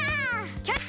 キャッチ！